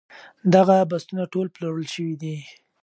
دغه بستونه ټول پلورل شوي دي.